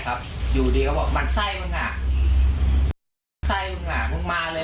เขาพูดอย่างนี้เลย